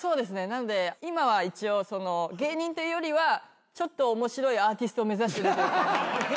なので今は一応芸人というよりはちょっと面白いアーティストを目指してる。